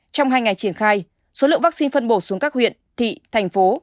trong hai ngày triển khai số lượng vaccine phân bổ xuống các huyện thị thành phố